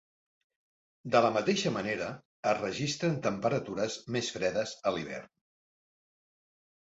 De la mateixa manera, es registren temperatures més fredes a l'hivern.